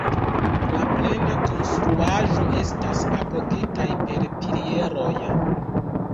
La plena konstruaĵo estas apogitaj per pilieroj.